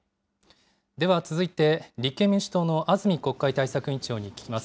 では続いて、立憲民主党の安住国会対策委員長に聞きます。